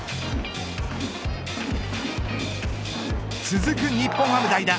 続く日本ハム代打